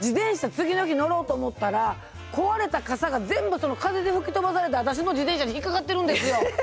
次の日乗ろうと思ったら壊れた傘が全部風で吹き飛ばされて私の自転車に引っ掛かってるんですよ。